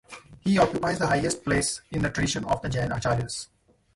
He occupies the highest place in the tradition of the Jain acharyas.